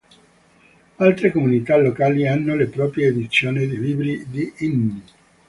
Altre comunità locali hanno le proprie edizioni di libri di inni.